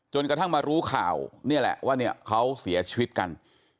กระทั่งมารู้ข่าวนี่แหละว่าเนี่ยเขาเสียชีวิตกัน